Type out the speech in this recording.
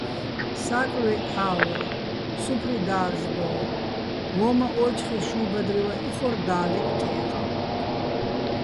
საკლვი ჺა́ვორ, სუფრი და́რჟდო́რ, ვო́მაჸ ო́ჯხი შუჲ ბადრივაჸ იხორ და́ლეგო̆ თე́ყაჼ.